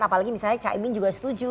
apalagi misalnya caimin juga setuju